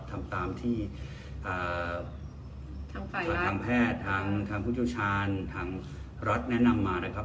ทำตามที่ทางแพทย์ทางผู้เชี่ยวชาญทางรัฐแนะนำมานะครับ